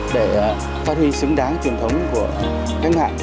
để phát huy xứng đáng truyền thống của cách mạng